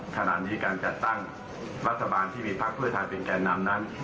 ขณะนี้การจัดตั้งรัฐบาลที่มีพักเพื่อไทยเป็นแก่นำนั้น